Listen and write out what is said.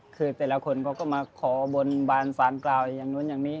คือแต่ละคนเขาก็มาขอบนบานสารกล่าวอย่างนู้นอย่างนี้